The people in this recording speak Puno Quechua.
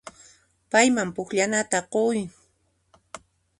Payman pukllananta quy.